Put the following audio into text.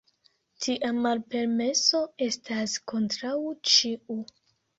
Tia malpermeso estas kontraŭ ĉiu.